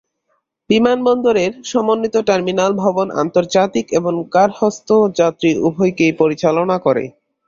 বিমানবন্দরের সমন্বিত টার্মিনাল ভবন আন্তর্জাতিক এবং গার্হস্থ্য যাত্রী উভয়কেই পরিচালনা করে।